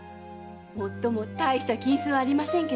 もっとも大した金子はありませんけどね。